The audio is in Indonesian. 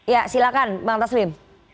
ya silahkan bang taslim